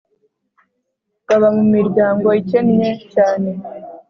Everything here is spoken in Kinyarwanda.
baba mu miryango ikennye cyane